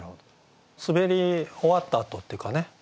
滑り終わった跡っていうかね